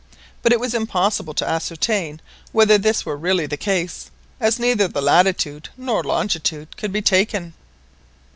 But it was impossible to ascertain whether this were really the case, as neither the latitude nor longitude could be taken.